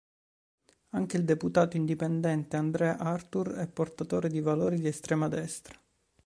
Anche il deputato indipendente André Arthur è portatore di valori di estrema destra.